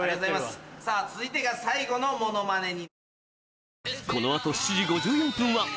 さぁ続いてが最後のモノマネに。